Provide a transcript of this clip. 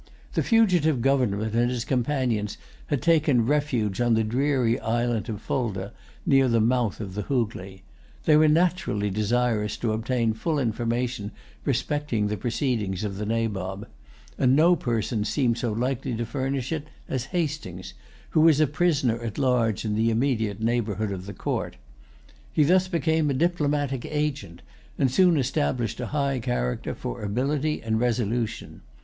The fugitive governor and his companions had taken refuge on the dreary islet of Fulda, near the mouth of the Hoogley. They were naturally desirous to obtain full information respecting the proceedings of the Nabob; and no person seemed so likely to furnish it as Hastings, who was a prisoner at large in the immediate neighborhood of the court. He thus became a diplomatic agent, and soon established a high character for ability and resolution.